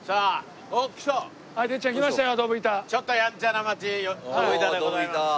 ちょっとやんちゃな街ドブ板でございます。